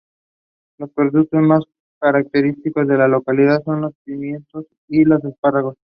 Los productos más característicos de la localidad son los pimientos y los espárragos.